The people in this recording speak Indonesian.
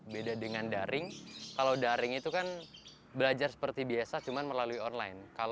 beda dengan daring kalau daring itu kan belajar seperti biasa cuma melalui online